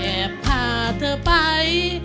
แอบพาเธอไป